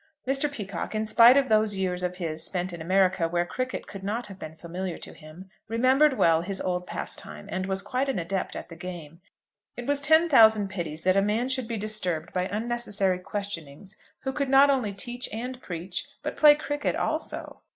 Mr. Peacocke, in spite of those years of his spent in America where cricket could not have been familiar to him, remembered well his old pastime, and was quite an adept at the game. It was ten thousand pities that a man should be disturbed by unnecessary questionings who could not only teach and preach, but play cricket also.